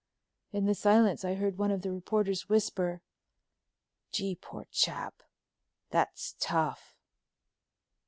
In the silence I heard one of the reporters whisper: "Gee—poor chap! that's tough!"